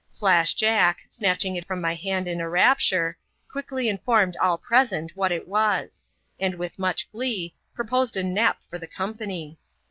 Flash Jack, snatching it from my hand in a rapture, quickly informed all present what it was ; and with much glee, proposed a nap for the company.